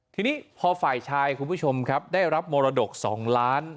ทีนี้พอฝ่ายชายคุณผู้ชมครับได้รับมรดก๒ล้าน